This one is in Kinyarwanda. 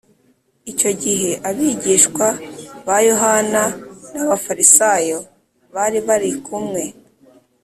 Icyo gihe abigishwa ba yohana n ab abafarisayo bari barikumwe